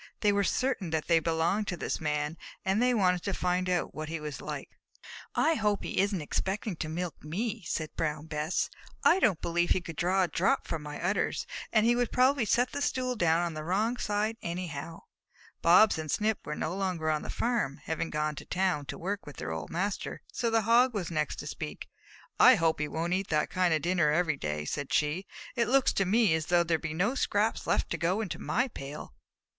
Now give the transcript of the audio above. They were certain that they belonged to this Man, and they wanted to find out what he was like. "I hope he isn't expecting to milk me," said Brown Bess. "I don't believe he could draw a drop from my udders, and he would probably set the stool down on the wrong side anyhow." Bobs and Snip were no longer on the farm, having gone to town, to work there with their old master, so the Hog was the next to speak. "I hope he won't eat that kind of dinner every day," said she. "It looks to me as though there would be no scraps left to go into my pail."